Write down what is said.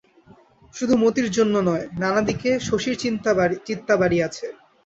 শুধু মতির জন্য নয়, নানা দিকে শশীর চিত্তা বাড়িয়াছে।